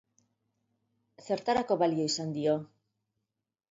Zertarako balio izan dio?